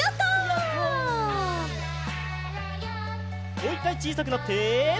もういっかいちいさくなって。